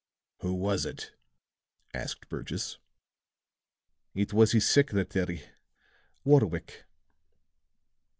"Who was it?" asked Burgess. "It was his secretary Warwick."